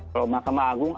kalau mahkamah agung